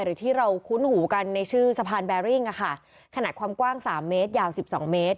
หรือที่เราคุ้นหูกันในชื่อสะพานแบริ่งขนาดความกว้าง๓เมตรยาว๑๒เมตร